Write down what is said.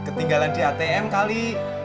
ketinggalan di atm kali